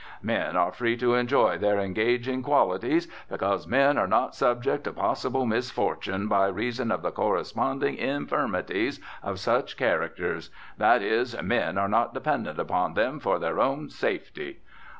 Men are free to enjoy their engaging qualities because men are not subject to possible misfortune by reason of the corresponding infirmities of such characters, that is, men are not dependent upon them for their own safety.